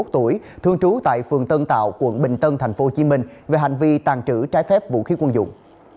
ba mươi tuổi thương trú tại phường tân tạo quận bình tân tp hcm về hành vi tàn trữ trái phép vũ khí quân dụng